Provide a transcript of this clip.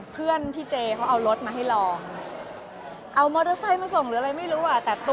เพื่อนพี่เจเขาเอารถ